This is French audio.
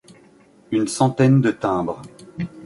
Une centaine de timbres.